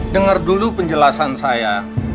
dengar dulu penjelasan saya